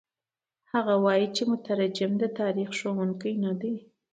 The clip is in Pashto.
هغه وايي چې مترجم د تاریخ ښوونکی نه دی.